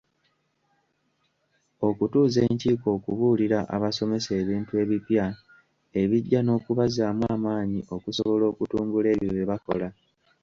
Okutuuza enkiiko okubuulira abasomesa ebintu ebipya ebijja n'okubazzaamu amaanyi, okusobola okutumbula ebyo bye bakola.